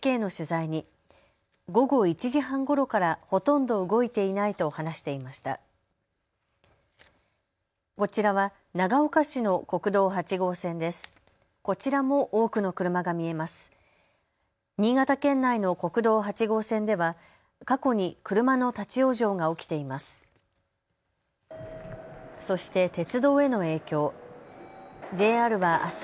新潟県内の国道８号線では過去に車の立往生が起きています。